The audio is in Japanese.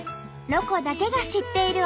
「ロコだけが知っている」。